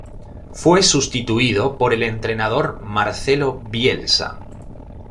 Fue sustituido por el entrenador Marcelo Bielsa.